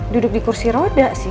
duduk di kursi roda sih